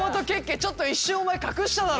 ちょっと一瞬お前隠しただろ。